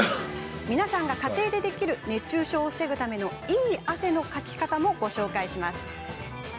皆さんが家庭でできる熱中症を防ぐためのいい汗のかき方もご紹介します。